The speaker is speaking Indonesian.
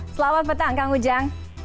selamat petang kang ujang